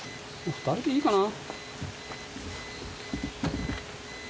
２人でいいかな。